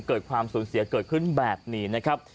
เกิดความสูญเสียเกิดขึ้นแบบนี้นะครับ